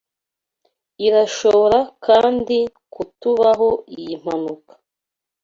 Irashobora kandi kutabaho iyi mpanuka